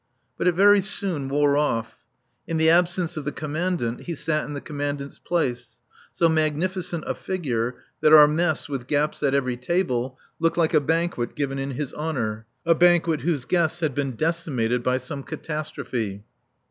But it very soon wore off. In the absence of the Commandant he sat in the Commandant's place, so magnificent a figure that our mess, with gaps at every table, looked like a banquet given in his honour, a banquet whose guests had been decimated by some catastrophe.